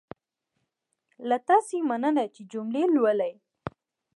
له تاسې مننه چې جملې لولئ.